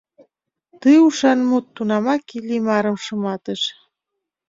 Ты ушан мут тунамак Иллимарым шыматыш.